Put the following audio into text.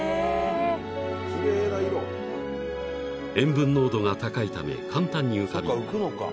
［塩分濃度が高いため簡単に浮かび気温